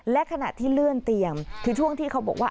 และขณะที่เลื่อนเตียงคือช่วงที่เขาบอกว่า